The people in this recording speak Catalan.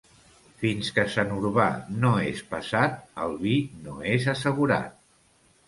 Fins que Sant Urbà no és passat el vi no és assegurat.